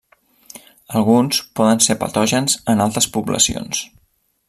Alguns poden ser patògens en altes poblacions.